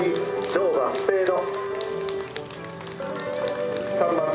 乗馬スペード」。